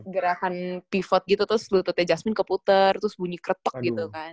gerakan pivot gitu terus lututnya jasmin keputar terus bunyi kretok gitu kan